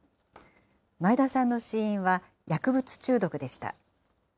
前田さんの死因は、薬物中毒でした。